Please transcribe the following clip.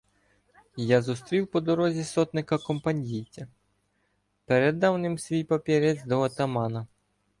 — Я зустрів по дорозі сотника Компанійця, передав ним свій папірець до отамана.